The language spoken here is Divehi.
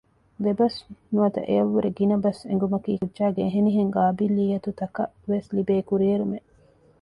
ދެ ބަސް ނުވަތަ އެއަށްވުރެ ގިނަ ބަސް އެނގުމަކީ ކުއްޖާގެ އެހެންނިހެން ގާބިލިއްޔަތުތަކަށް ވެސް ލިބޭ ކުރިއެރުމެއް